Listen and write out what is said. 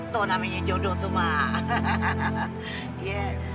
tuh namanya jodoh tuh mah